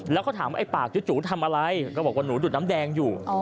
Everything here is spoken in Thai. แล้วเขาถามว่าไอ้ปากจูทำอะไรก็บอกว่าหนูดูดน้ำแดงอยู่